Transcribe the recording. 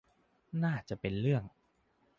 น่าจะเป็นเรื่อง